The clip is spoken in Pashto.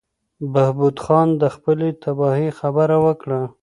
بهبود خان د خپلې تباهۍ خبره وکړه.